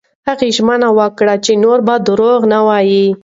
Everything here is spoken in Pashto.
هغه ژمنه وکړه چې نور به درواغ نه وايي.